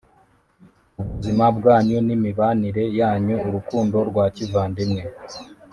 ubuzima bwanyu n’imibanire yanyu. urukundo rwa kivandimwe